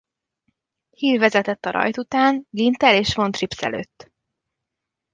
Hill vezetett a rajt után Ginther és von Trips előtt.